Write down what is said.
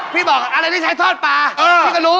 พี่บอกอะไรที่ใช้ทอดปลากูก็รู้